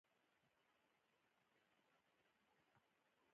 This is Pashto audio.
د واکمنې ډلې پیدایښت لامل د ګډ ژوند و